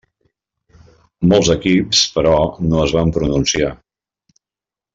Molts equips, però, no es van pronunciar.